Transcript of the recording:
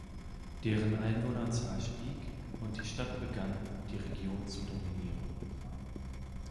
Deren Einwohnerzahl stieg und die Stadt begann die Region zu dominieren.